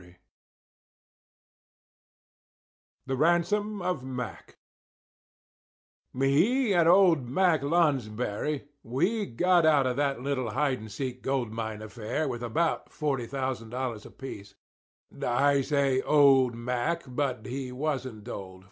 II THE RANSOM OF MACK Me and old Mack Lonsbury, we got out of that Little Hide and Seek gold mine affair with about $40,000 apiece. I say "old" Mack; but he wasn't old.